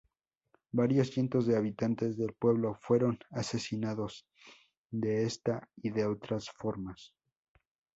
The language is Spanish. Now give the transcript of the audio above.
Varios cientos de habitantes del pueblo fueron asesinados de esta y de otras formas.